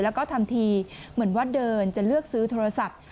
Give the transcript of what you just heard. แล้วก็ทำทีเหมือนว่าเดินจะเลือกซื้อโทรศัพท์